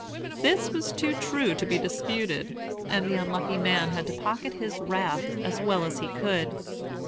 "This was too true to be disputed, and the unlucky man had to pocket his wrath as well as he could.